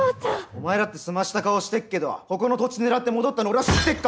お前だって澄ました顔してっけどここの土地狙って戻ったの俺は知ってっからな！